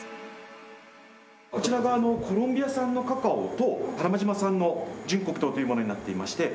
こちらがコロンビア産のカカオと多良間島産の純黒糖というものになっていまして。